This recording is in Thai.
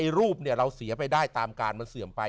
รูปเราเสียไปได้ตามการมันเสื่อมไป